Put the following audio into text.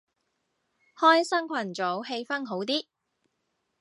開新群組氣氛好啲